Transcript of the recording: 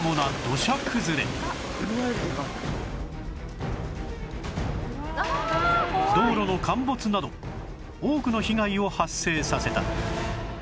「車よりでかい」道路の陥没など多くの被害を発生させた